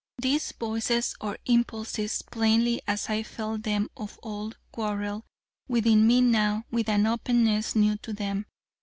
These Voices, or impulses, plainly as I felt them of old, quarrel within me now with an openness new to them.